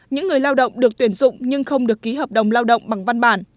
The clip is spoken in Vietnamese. những người lao động được tuyển dụng nhưng không được ký hợp đồng lao động bằng văn bản